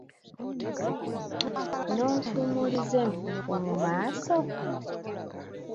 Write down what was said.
N'onfumuliza enfuufu mu maaso!